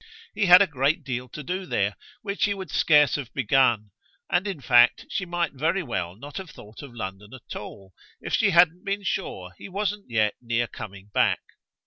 He had a great deal to do there which he would scarce have begun; and in fact she might very well not have thought of London at all if she hadn't been sure he wasn't yet near coming back.